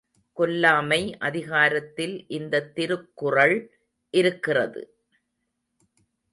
கொல்லாமை அதிகாரத்தில் இந்தத் திருக்குறள் இருக்கிறது?